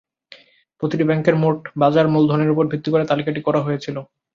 প্রতিটি ব্যাংকের মোট বাজার মূলধনের উপর ভিত্তি করে তালিকাটি করা হয়েছিল।